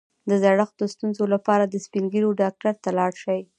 د زړښت د ستونزو لپاره د سپین ږیرو ډاکټر ته لاړ شئ